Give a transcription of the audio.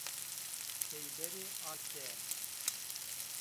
Keyberî ake!